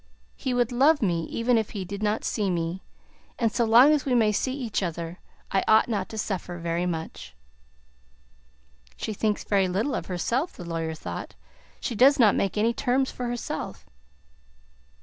He would love me even if he did not see me; and so long as we may see each other, I ought not to suffer very much." "She thinks very little of herself," the lawyer thought. "She does not make any terms for herself."